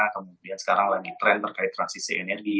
kalau kita lihat sekarang lagi trend terkait transisi energi